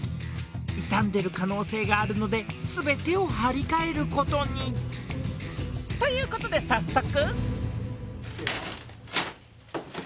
傷んでる可能性があるので全てを張り替える事に。という事で早速。